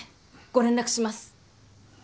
ご連絡します。